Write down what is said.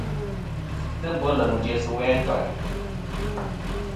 Sisɨ bweleŋ jæ sɨ we a ntoyn.